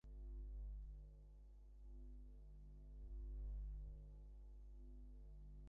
কদর্য বস্তিতে এবং সুসজ্জিত বৈঠকখানায় ভগবানেরই লীলা দেখ।